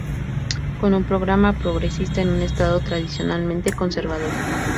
Con un programa progresista en un estado tradicionalmente conservador.